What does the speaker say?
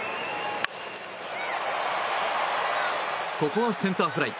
ここはセンターフライ。